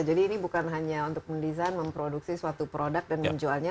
jadi ini bukan hanya untuk mendesain memproduksi suatu produk dan menjualnya